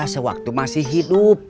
sewaktu masih hidup